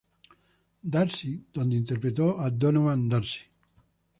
Darcy", donde interpretó a Donovan Darcy.